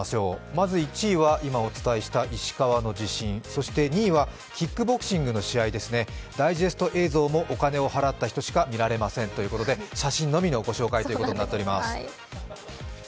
まず１位は石川の地震、そして２位はキックボクシングの試合ですね、ダイジェスト映像もお金を払った人しか見られませんということで写真のみのご紹介となっております。